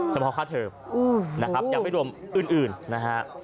จะพอเธออย่างไปรวมอื่นนะฮะ